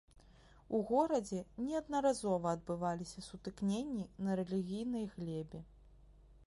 У горадзе неаднаразова адбываліся сутыкненні на рэлігійнай глебе.